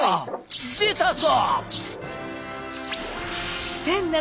出たぞ！